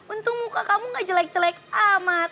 untung muka kamu gak jelek jelek amat